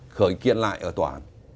khởi kiện lại ở tòa